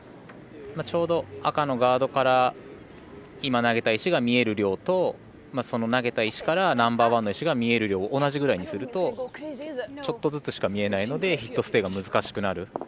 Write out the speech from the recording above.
ちょうど、赤のガードから今投げた石が見える量と、その投げた石からナンバーワンの石が見える量が同じぐらいにするとちょっとずつしか見えないのでヒットステイが難しくなる。